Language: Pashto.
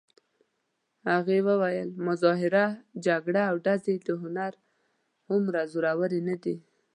هغې ویل: مظاهره، جګړه او ډزې د هنر هومره زورور نه دي.